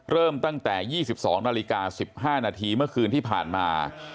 เริ่มตั้งแต่ยี่สิบสองนาฬิกาสิบห้านาทีเมื่อคืนที่ผ่านมา